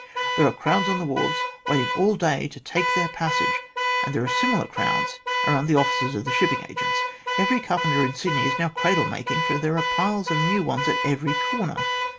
There are crowds on the wharves, waiting all day to take their passage, and there are similar crowds around the offices of the shipping agents. Every carpenter in Sydney is now cradle making, for there are piles of new ones at every corner.